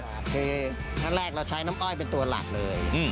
ขั้นแรกเราใช้น้ำอ้อยเป็นตัวหลักเลย